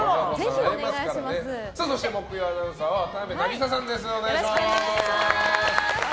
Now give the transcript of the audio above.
そして、木曜アナウンサーは渡邊渚さんです。